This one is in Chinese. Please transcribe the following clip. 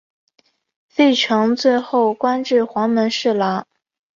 费承最后官至黄门侍郎。